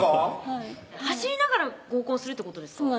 はい走りながら合コンするってことですか？